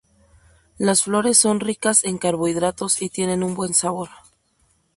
Las flores son ricas en carbohidratos y tienen un buen sabor.